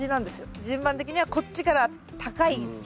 順番的にはこっちから高い。